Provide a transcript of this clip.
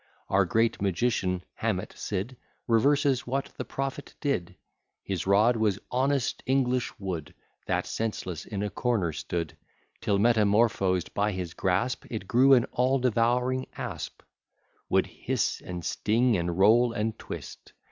Our great magician, Hamet Sid, Reverses what the prophet did: His rod was honest English wood, That senseless in a corner stood, Till metamorphos'd by his grasp, It grew an all devouring asp; Would hiss, and sting, and roll, and twist.